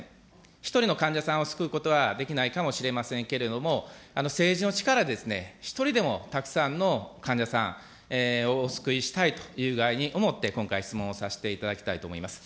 １人の患者さんを救うことはできないかもしれませんけれども、政治の力で１人でもたくさんの患者さんをお救いしたいというふうに思って、今回質問させていただきたいと思います。